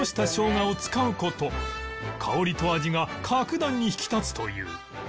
香りと味が格段に引き立つという